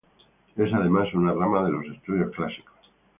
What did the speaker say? Es, además, una rama de los estudios clásicos.